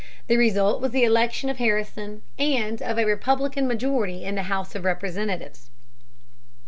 The result was the election of Harrison and of a Republican majority in the House of Representatives.